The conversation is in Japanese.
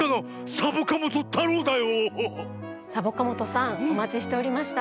サボカもとさんおまちしておりました。